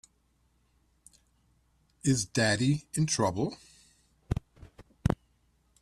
Is Daddy in trouble?